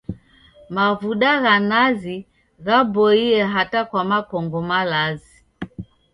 Mavuda gha nazi ghaboie hata kwa makongo malazi.